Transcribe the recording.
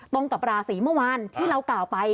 ตรงกับราศีเมื่อวานที่เรากล่าวไป